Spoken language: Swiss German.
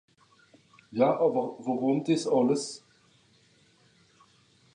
Ja àwer wùrùm dìs àlles ?